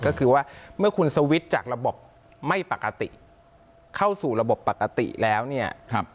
ก็คือว่าเมื่อคุณสวิตช์จากระบบไม่ปกติเข้าสู่ระบบปกติแล้วเนี่ย